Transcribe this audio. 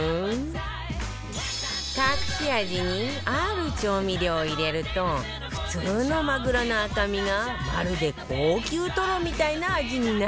隠し味にある調味料を入れると普通のマグロの赤身がまるで高級トロみたいな味になるんだって